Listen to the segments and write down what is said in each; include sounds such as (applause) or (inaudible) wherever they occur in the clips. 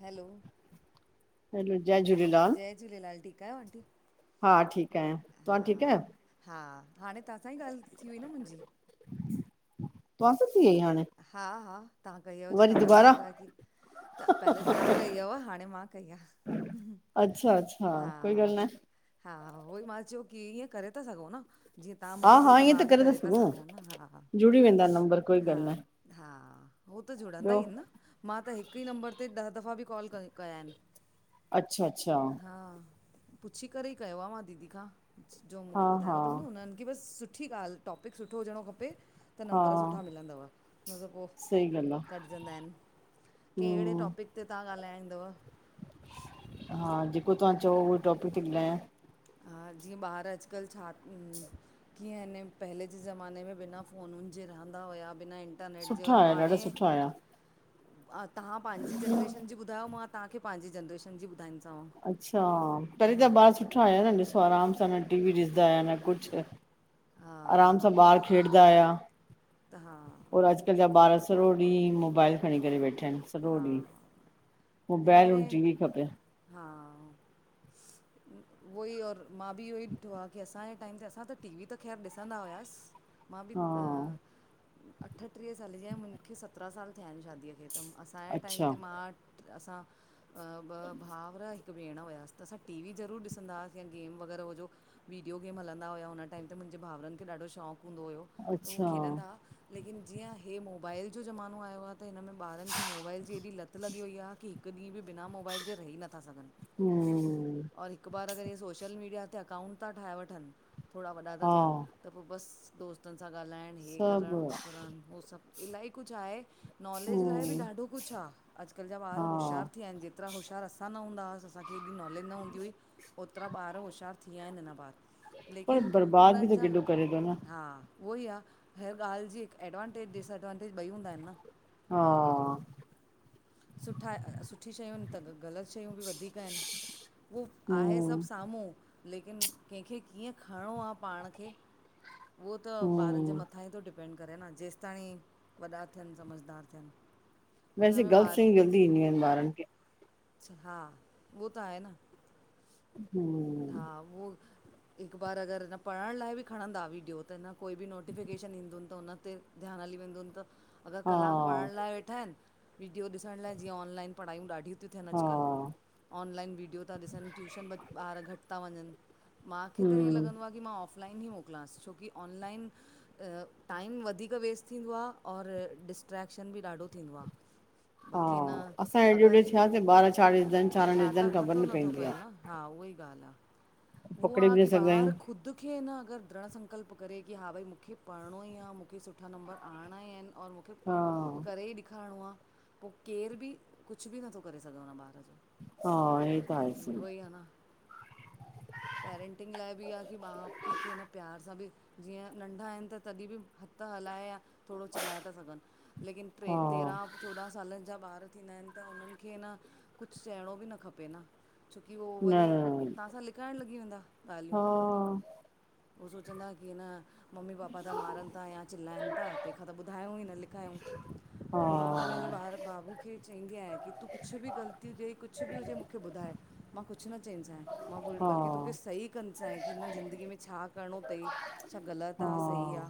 Hello hello, जय झूलेलाल! जय झूलेलाल ठीकु आहियो आंटी? हा ठीक आयां तहां ठीक हा आयो। हा, हाणे तव्हां सां ई ॻाल थी हुई ई न मुंजी। त्वासां थी हुई हाणे। हा, हा तहां कई हुयव जो वरी तहां ॿुधायो दुबारा पिया की त पहले तहां कई हुयव, हाणे मां कई आ। अच्छा अच्छा, कोई गाल न। हा, उहो ई मां चयो की इअं करे था सघो न। जीअं तहां हा मूंखे कई हा त ईअं मां बि था करे ता सघूं न हा जुड़ी वेंदा नंबर कोई हा। ॻाल्हि न आहे हा, हू त जुड़ंदा ॿियो ई आहिन न, मां त हिक ई नंबर ते ॾह दफ़ा बि कॉल क कया आहिन। अच्छा, अच्छा हा, पुछी करे ई कयो आ मां दीदी खां। जो हा मूंखे ॿुधायो हा तऊं न हुनन खे बस सुठी ॻाल टॉपिक सुठो हुजणो खपे। त हा नंबर सुठा मिलंदव! न त पो सही ॻाल्हि आहे कटजंदा आहिन कें एड़े हम्म टॉपिक ते तहां ॻाल्हाईंदव। हा, जेको तहां चओ उहो टॉपिक ती ॿुधायां। हा, जीअं ॿार अॼुकल छा कीअं अन पहले जे ज़माने में बिना फ़ोनुन जे रहंदा हुया बिना इं इंटरनेट जे सुठा और आया ॾाढा हाणे सुठा आया तहां पांजी जेनरेशन जी ॿुधायो मां तहांखे पांजी जेनरेशन जी ॿुधाईंदीसांव। अच्छा, पेहरीं त हा ॿार सुठा आया न ॾिसो आराम सां न टीवी ॾिसंदा हुया न कुछ। हा आराम सां ॿार खेॾदा आया। अ हा। और अॼुकल्ह जा ॿ सॼो ॾींहुं मोबाइल खणी करे वेठा आहिनि। सॼो ॾींहुं हा हिन मोबाइल एव् में जीवी खपे। हा उहोई और मां बि इहो ई ॾिठो आहे की असांजे टाइम ते असां त टी वी त ख़ैर ॾिसंदा हुआस। मां बि हा अठटीह साल जी आहिय मूंखे सतरहं साल थिया आहिनि शादीअ खे त। तस्हांजे टाइम अच्छा ते मां, असां ॿ भाउर आय हिकु भेण हुयास त असां टीवी ज़रुर ॾिसंदा आसीं या ॻेम व़ैॻेह हुोजो। वीडियो गेम हलंदा हुआ हुन टाइम ते मुंहिंजे भाउरनि खे ॾाढो शौंक़ुूंहूदो हुयो। त उ अच्छा खेॾंदा हुा लेकिन जीअं हे मोबाइल जो ज़मानो आयो आह त हिन में ॿारन मोबाइल जी एॾी लत लॻी वई आ की हिकु ॾींहुं बिना मोबाइल जे रही नथा सघनि। हम्म। और हिक बार अॻरि इहे सोशल मीडिया ते अकाउंट था ठाहे वठनि थोरा वॾा था हा थियनि। त पोइ बसि दोस्तनि सां ॻाल्हाइणु इीअ करणु सभु उ करणु उह सभु इलाही कुछु आहे। नॉलेज लाइ बि हम्म ॾाढो कुछु आहे अॼुकल्ह जा ॿार हा होशियारु थी वया आहिनि जेे। एिरा होशारु असां न नूंदा हुसीं असखे एॾ नलज न हूंदी हुई। ओतिरा ॿार होशियारु थी विया आहिनि हिन बार पर लेकिन बर्बाद बि उन्हनि त जा केॾो करे थो न हा। उहो ई आहे हर ॻाल्हि जी हिकु एडवांटेज डिसएडवांटेज ॿई हूंदा आहिनि न। हा। सुठा सुठ। सुठी शयूं आहिनि त ग़लति शयूं बि वधीक आहिनि उहो आहे हम्म सभु साम्हूं। लेकिन कंहिंखे कीअं खणणो आहे पाण खे उहो त ॿारनि जे हम्म मथां ई थो डिपे डिपेंड करे न जेसि ताईं वॾा थियनि समझदार थियनि। ऐं हिन वैसे में गलत ॿार शयुं जल्दी ईंदी आहिनि ॿारन खे। हा उहो त आहे न। हम। हा उहो। हिक बार अगरि हिन पढ़ण लाइ बि खणंदा वीडियो त हिन कोई बि नोटिफिकेशन ईंदन त हुन ते। ध्यानु हली वेंदो त। अगरि हा कलाकु पढ़ण लाइ वेठा आहिनि विडियो ॾिसण लाइ जीअं ऑनलाइन पढ़ाइयूं ॾाढियूं। थ थियनि हा अॼुकल्ह ऑनलाइन वीडियो था ॾिसनि ट्यूशन ॿ ॿार घटि था वञनि। मूंखे त ईअं हम्म लॻंदो आहे की मां ऑफ़लाइन ई मोकिलांसि छोकी ऑनलाइन। टाइम वधीक वेस्ट थींदो आ और डिस्ट्रेक्शन बि ॾाढो थींदो आ। (inaudible) हा बाक़ी न असां हेॾे होॾे अॻरि थियासीं ॿार छा ॾिसंदा आहिनि न छा ॾिसंदा त आहिनि ख़बर पतो न नथो पवंदी पए न। आहे हा उहा ई ॻाल्हि आ उहाो पकिड़े आहे बि न की सघंदा ॿार आहियूं ख़ुदि। मूंखे अ अगरि दृढ़ संकल्प करे कि हा भई मूंखे पढ़णो ई आहे मूंखे सुठा नम्बर आणिणा ई आहिनि। और मूंखे प करे ई ॾेखारिणो आ। पोइ केर बि कुछु बि नथो करे सघे हुन ॿार सां बाक़ी उहोई आहे न पेरेंटिंग लाइ बि इहा की माउ पीउ खे हिन प्यार सां बि जीअं नंढा आहिनि त तॾहिं बि हथ हलाएया। थोरो चिलाए था सघनि लेकिन टे तेरहं चोॾहं सालनि जा ॿार थींदा आहिनि त उन्हनि खे न कुछु चइणो बि न खपे न। छोकी उहो वरी तव्हांसां लिकाइण लॻी वेंदा ॻाल्हियूं। उहो सोचंदाआ की न मम्मी पापा था मारन था या चिलाएन था तंहिंखां त ॿुधायूं ई न लिखायूं। त मां त पंहिंजे ॿार बाबू खे चईंदी आहियां की तूं कुछ भी ग़लती हुजे कुछ भी हुजे मूंखे ॿुधाए मां कुछ न चईंदी सए। मां ब बल्कि तोखे सही कंद सए कि ज़िंदगी में छा करणो तई। छा ग़लत आ सही आ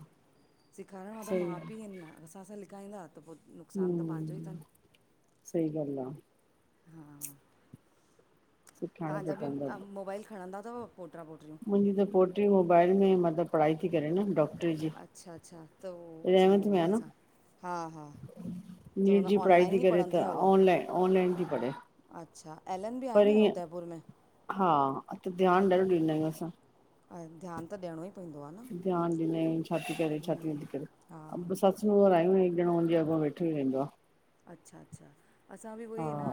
सेखारण वार त सही मा हम्म पी आहिन न अगर असांसां लिखाईंदा त पो। नुक़सान त पान्जो ई तन सही ॻाल्हि आ हा सिखारडो तव्हांजा त बि पवंदो। मोबाइल खणंदा तव पोटरा पोटरियूं। मुंहिंजी त पोटी मोबाइल में मतलब पढ़ाई थी करे न डॉक्टर अच्छा अच्छा त उहो अच्छा में आ मोबाइल न सां हा हा त नीट हुन जी पढ़ाई ती ऑनलाइन ई करेे पढ़ंदी त आहे हूअ ऑनलाइन ऑनलाइन जी पढ़ाई। अच्छा एल एम भी आहे न उदयपुर में हा त ध्यान ॾाढो ॾींदा आहियूं असां। ऐं ध्यान त ॾयणो ई पवंदो आ न। ध्यान ॾिन्दा आयूं छाती करेे छाती नथी करे। (unintelligible) हा हिक ॾणों हूंदी आ अॻां वेठो ई रहंदो आ। अच्छा अच्छा असां बि उहई अन हा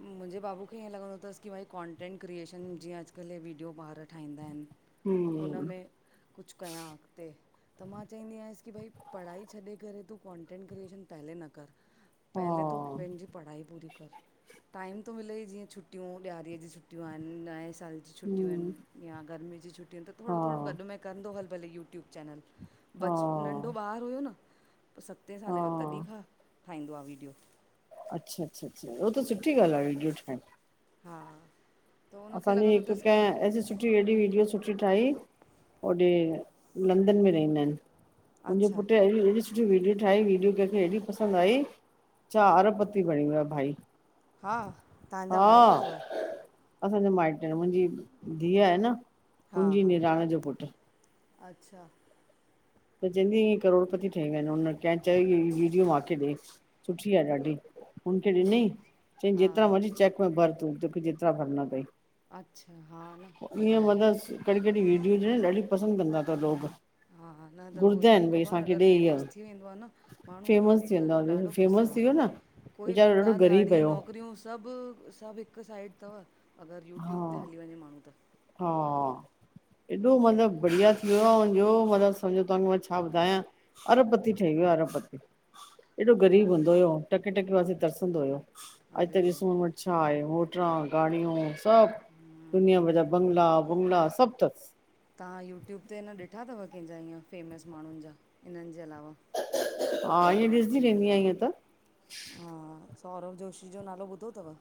मुंहिंजे बाबू खे ईअं लॻंदो तस की भाई कॉन्टेंट क्रिएशन जीअं अॼकल्ह वीडियो ॿार ठाहींदा आहिन। हम्म, हुनमें कुछ कयां अॻते। त मां चईंदी दी आहियांस की भई पढ़ाई छॾे करे तू कॉन्टेंट क्रिएशन पहले न कर। हा, पहले तूं पंहिंजी पढ़ाई पूरी कर। टाइम तो मिले ई जीअं छुटियूं ॾियारीअ जी छुट्टियूं आहिन नए साल जी छुटियूं हम्म, आहिन। या गर्मी जी छुटियूं आहिन त हा, थोड़ो थोड़ो गॾ में कंदो हल भले यूट्यूब चैनल हा, बच नंढो ॿार हुयो न पो सते साले जो तॾहिं हा, खां ठाहींदो आ वीडियो। अच्छा अच्छा अच्छा उो त सुठी ॻाल्हि आहे विडियो ठाएण। हा त उनखे असांजी लॻंदो हिक अथसि की क- - सुठी एॾी विडियो सुठी ठाही ओॾे लंदन में रहंदा आहिन। मुंहिंजे अच्छा पुट एड़ी सु विडियो ठाही वीडियो कंहिंखे एॾी पसंद आई छा अरब पती बणी वयो भाई। हा तव्हांजा माएट तव? असांजा माएट मुंहिंजी धीय आहे न हा हूनजी हा निराण जो पुट। अच्छा त चेपी ईअ करोड़पति ठही विया आहिन हुन कें चई वीडियो माखे ॾे - - सुठी आ ॾाढी। हुनखे ॾिनई चईं हा जेतिरा मर्ज़ी चेक में भर तोखे जेतरा भरणा तई। अच्छा हा न ॿुधाए - - कॾी कॾी वीडियो न ॾाढी पसंद कंदा तव लोग। हा हा - - न त हो घुरदा त आहिनि हिक भई बार असांखे अगर ॾे इहा फेमस थी वेंदो आ न माण्हू फेमस थी वेंदा त ॾाढो पैसो आ फेमस थी वियो न हुनमें। कोई वीचारो ॾाढो ग़रीब धंधाधाड़ी हुयो नौकरियूं सब सभ हिक साइड तव अगर हा यूट्यूब ते हली वञे माण्हू त। हा उहो एॾो त आहे मतलब बढ़िया - - इयो ॾयो मतलब सम्झो तव्हांखे मां छा ॿुधायां अरबपती ठही वियो आ अरबपती। एॾो हा ग़रीब हूंदो हुयो टके टके वासे तरसंदो हुयो अॼ अरे रे ॾिस - - छा आहे होटला गाड़ियूं सभु दुनिया भर जा बंगला बंगला सभु थस। तव्हां यूट्यूब ते न ॾिठा अथव कंहिंजा ईअं फेमस माण्हुन जा इनि जे अलावा हा तव्हांजे ईअं ॾिसंदी माइटरन जे रहंदी आहियां अलावा ईअं त हा, सौरभ जोशी जो नालो ॿुधो थव?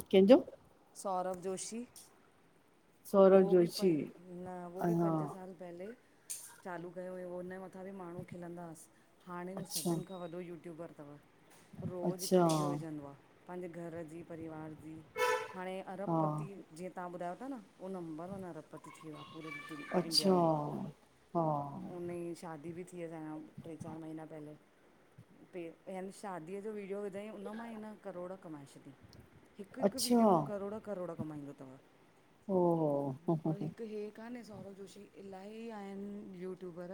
कंहिंजो? सौरभ जोशी सौरभ उहो बि प जोशी न उहो बि अञा पंज साल पहिले चालू कयो हुयो हुनजे मथां बि माण्हू खिलंदा हस। हाणे उह अच्छा सभिन खां वॾो यूट्यूबर थव रोज़ हिकु अच्छा वीडियो विझंदो आ। भले घर जी परिवार जी, हाणे हा अरबपती जीअ - - तव्हां ॿुधायो था न उहो नंबर वन अरबपती थी वियो आहे पूरे - - इंडिया अच्छा में, हा हुनजी शादी बि थी - - थी विया असांजा टे चार महीना पहिले यूट्यूब ते यानि शादीअ जो विडियो विधाईं उन मां ई हिन करोड़ कमाए छॾियईं। हिकु हिकु अच्छा वीडियो मां करोड़ करोड़ कमाईंदो तव ओ हो - - और हिकु हे कान्हे सौरभ जोशी, इलाही आहिन यूट्यूबर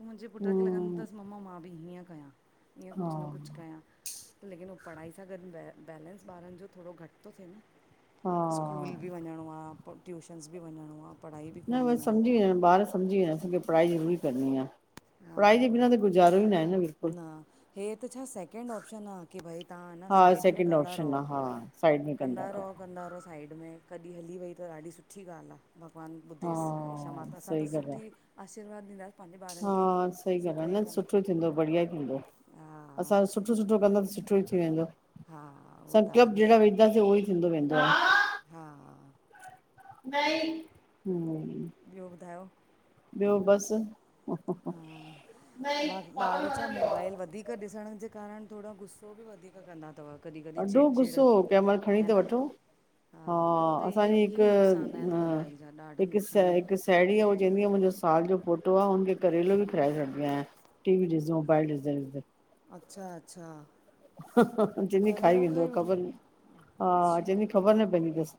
मुंहिंजे पुट खे लॻंदो हम्म तस ममा मां बि हीअं कया हीअं हा कुझु न कुझु कया लेकिन हो पढ़ाई सां गॾु बै बैलेंस ॿारन जो थोरो घटि थो थिए न हा स्कूल बि वञणो आ पो ट्यूशनस बि वञणो आ न बस समझी वयम बार - - समझी वया असींखे पढ़ाई ज़रूरी करणी आ पढ़ाई जे बिना हा त गुज़ारो ई न आहे न बिलकुल हे त छा सेक - - सैकेंड ऑप्शन आ की भई तव्हां अ हा साइड में सेकेंड कंदा ऑप्शन आ रहो, हा साइड में कंदा पोइ। रहो कंदा रहो साइड में कॾहिं हली वई त ॾाढी सुठी ॻाल्ह आ भॻवान ॿुधेस हमेशा मां हा त असां सही त ॻाल्हि सुठी आशीर्वाद ॾींदासीं पंहिंजे - - हा सही ॻाल्ह आ न सुठो थींदो बढ़िया थींदो हा असांजो - - सुठो सुठो कंदा सुठो ई थी वेंदो हा उहो त आहे संकलप न जहिड़ा विझंदासीं उहो ई थींदो वेंदो। हा - - न हम्म - - ॿियो ॿुधायो? ॿियो बस हा, ॿार छा मोबाइल वधीक वधीक ॾिसण जे कारण थोरा गुस्सो बि वधीक कंदा तव ॾाढो गुसो कंहिं महिल खणी त वठो हा, त इहे असांजी इहे ई नुक़सान आहिनि मोबाइल जा ॾाढा इक स नुक़सान आहिनि साहेड़ी आहे उअ चवंदी आहे मुंहिंजो साल जो पोटो आहे हुनखे करेलो बि खाराए छॾंदी आयां। टी वी ॾिसदे मोबाइल डिसजदे त अच्छा अच्छा चइदी खाई घरेलू वेंदो वठनि ख़बर न हा चइदी ख़बर न पवंदी थस।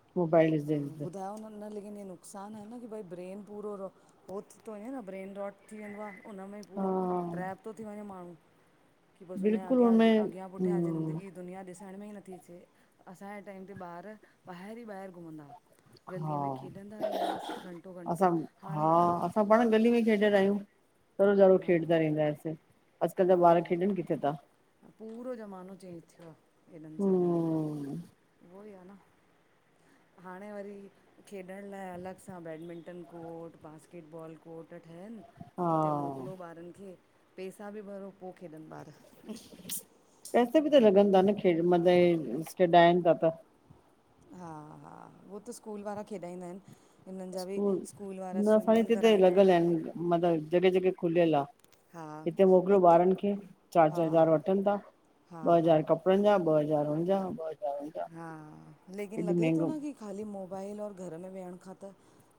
हा ॿुधायो न। न लेकिन इय नुक़सान आहे न की भई ब्रेन पूरो थी थो वञे न ब्रेन रॉट थी वेंदो आहे हुनन मेंें ई हा पूरो ट्रैप थो थी वञे माणू बस उनजे बिल्कुलु हुनमें अॻिया पुठीया हम्म ज़िन्दगी दुनिया ॾिसण में ई नथी अचे असांजे टाइम ते ॿार ॿाहिरि ई ॿाहिरि घुमंदा। हा गलीअ में खेॾंदा रहिंदास, घंटो घंटो असां हाणे हा असां पाण गली में खेॾंदायूं पर ज़ारु हा खेॾंदा रहिंदांआसीं, अॼुकल्ह जा हा ॿार न खेॾनि किथे ता?। पूरो ज़मानो चेंज थियो आ हेॾनि सालनि में, हम्म उहो ई आ न। हाणे वरी, खेॾण लाइ अलॻि सां बैडमिंटन कोट बास्केटबॉल कोट ठयाइन, हा उते मोकिलो ॿारनि खे पैसा बि भरो पो खेॾनि ॿार। वेसे बि त लॻंदा न, खेॾ मतलबि हे खेॾाइन ता त। हा, हा, हो त स्कूल वारा खेॾाईंदाइन। स्कूल न असांजे हितेते लॻियल आहिनि, मतिलबु जॻह जॻह खुलियल आ। हा हिते मोकिलियो हिते ॿारनि खे चारि हा चार हज़ार वठनि ता, हा हा ॿ हज़ार हा कप ड़न जा ॿ हज़ार हुनजा ॿ हज़ार हुन जा हा, लेकिन हेॾो लॻे तो महंगो न की ख़ाली मोबाइल और घर में वेहण खां त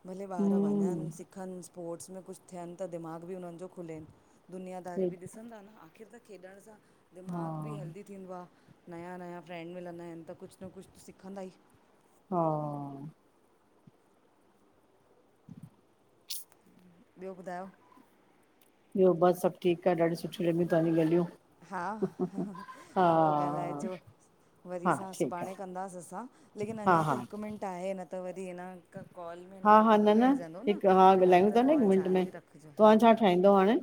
भले ॿार वञनि, हम्म सिखनि, स्पोर्ट्स में कुछ थियनि त दिमाग़ बि हुननि जो खुलेनि। दुनियादारी बि ॾिसंदा न आख़िर त खेॾण सां हा दिमाग़ बि हैेल्दी थींदो आ। नयां नयां फ्रेंंड मिलंदाइन त कुछ न कुछ सिखंदाई। हा। ॿियो ॿुधायो? ॿियो बस सब ठीक आ, डाढी सुठि लॻीयूं तां जी गाल्हियूं। हा, हा, पो ॻाल्हाइजो। हा वरीसां ठीकु आहे सुभाणे कंदास असां, लेकिन हा अञा हा त हिकु मिंट आहे न त वरी ए न हिकु कॉल में हा न हा घटि ॻिणजंदो न हिकु हा फ़िलहाल ॻाल्हायूं त था न हिकु कॉल मिंट में चालू ई रखिजो। हा- तव्हां हा- छा हा। ठाहींदव हाणे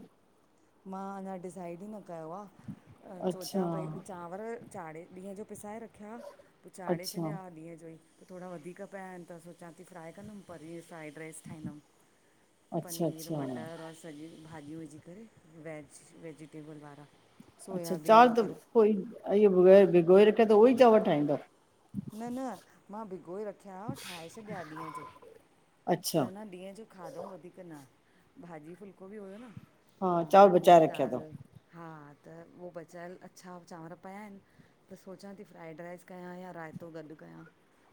मां अञा डिसाइड ई न कयो आ अच्छा सोचां पई चां पर चाढ़े ॾींहं जो पिसाए रखिया हा, पो चाढ़े अच्छा छॾिया हा ॾींहं जो ई। त थोड़ा वधीक पिया आहिनि त सोचां ती फ्राए कंदमि पर हे फ्राइड राइस ठाईंदम। अच्छा पनीर अच्छा मटर और सॼियूं भाॼियूं विझी करे वेज वेजिटेबल वारा, अच्छा चांवर सोयाबीन त वग़ैरह पोई भिगोए रख्या तव उहोई चांवर ठाईंदव? न -न, मां भिगोए रखिया हा ठाहे छॾिया ॾींहं जो। त अच्छा न ॾींहं जो खाधऊं वधीक न, भाॼी फुल्को बि हुयो न। हा, चावर चणनि जी बचाए रखिया दाल तव? हा, त उहो बचायल अछा चांवर पयाइन, त सोचां ती फ्राइड राइस कयां या रायतो गॾु कयां?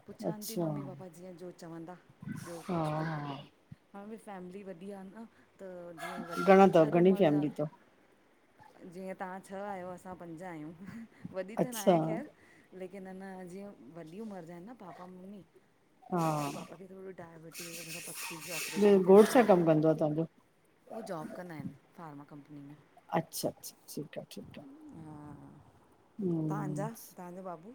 पुछानि ती अच्छा मम्मी पापा जीअं जो चवंदा, ॿियो? हा कुछ बि, हा हा भई फैमिली वॾी आ न त, जीअं वॾ घणा अथव हर घणी उम्र जा, फैमिली अथव जीअं तां छह आहियो असां पंज आहियूं, वॾी त अच्छा नाहे ख़ैर। लेकिन अञा जीअं वॾी उमिरि जा इनि न पापा मम्मी, हा पापा खे थोड़ो डायबि टीज व़गेरह पथरी जो ॿियो ऑपरेशन थियल घोट छा तन‌। कमु कंदो आहे तव्हांजो हो जॉब कंदा आहिनि फार्मा कंपनी में। अच्छा अच्छा ठीकु आहे ठीकु हा, आहे हम्म तव्हांजा, तव्हांजो बाबू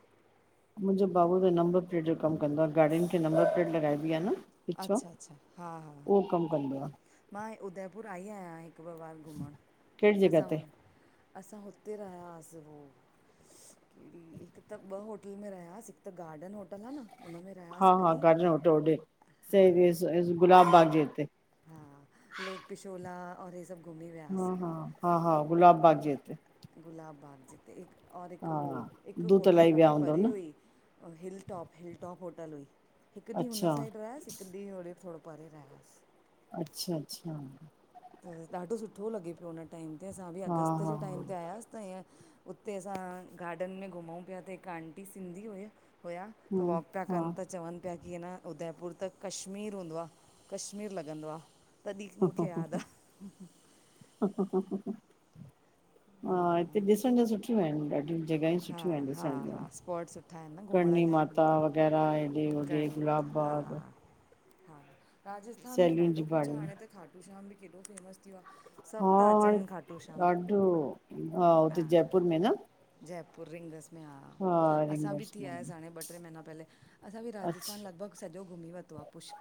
मुंहिंजो बाबू त नंबर प्लेट जो कमु कंदो आ, गाॾिनि खे नंबर प्लेट लॻाइबी आ न। अच्छा। उहो कमु कंदो आ। मां उदयपुर आई आहियां हिकु ॿ बार घुमणु कहिड़ी जॻह असां व ते असां हुते रहियास वो कहिड़ी हिक त ॿ होटल में रहियास, हिकु त गार्डन होटल आ न हुन में रहियासीं हा- हिकु हा, ॾींहुं गार्डन होटल हा होङे, गुलाब बाग जे हिते। हा लेक पिछोला और हे सॿ हा, हा, हा, हा गुलाब बाग जे हिते। गुलाब बाग जिते हिकु और हिकु हा हो हिकु दूत होटल इलाही विया ॾाढी हूंदव परे न हुई ओ हिलटॉप हिलटॉप होटल हुई हिकु ॾींहुं हुन अच्छा साइड रहियासि हिकु ॾींहुं होडे थोरो परे रहियासीं अच्छा, अच्छा। त ॾाढो सुठो लॻे पियो हुन टाइम ते असां बि हा अगस्त हा हा जे टाइम ते आयास त ईअं उते असां गार्डन में घुमूं पिया त हिकु आंटी सिंधी हुय हुया त वॉक पिया कनि त चवनि पिया कि अन उदयपुर त कश्मीर हूंदो आ कश्मीर लॻंदो आ (inaudible) हा हिते ॾिसण त सुठियूं आहिनि ॾाढियूं जॻहियूं हा सुठ हा ठयुं आहिन हा ॾिसङ ज्यु हा स्पॉट सुठा आहिनि न घुमण करणी माता लाइ वग़ैरह हेएॾे होॾे करणी माता गुलाब हा बाग हा राजस्थान में सैलियूं ॾाढो जी कुछ आ बाड़ियूं हाणे त खाटू श्याम बि केॾो फेमस थीयो आ। हा हाण ॾाढो हा उते जयपुर में न जयपुर रिंगस में आ हा असां बि रिंगर्स थी में आयासीं हाणे ॿ ट्रै महीना पहले असां बि राजस्थान अच्छा लॻभॻि सॼो घुमी वतो आ। पुष्